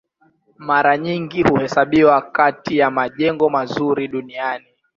Mara nyingi huhesabiwa kati ya majengo mazuri duniani.